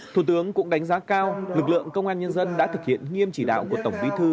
thủ tướng cũng đánh giá cao lực lượng công an nhân dân đã thực hiện nghiêm chỉ đạo của tổng bí thư